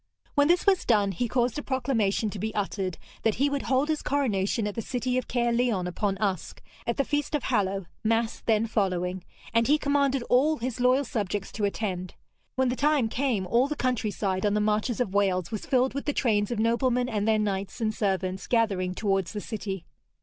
When this was done, he caused a proclamation to be uttered, that he would hold his coronation at the city of Caerleon upon Usk, at the feast of Hallow mass then following; and he commanded all his loyal subjects to attend. When the time came, all the countryside on the marches of Wales was filled with the trains of noblemen and their knights and servants gathering towards the city.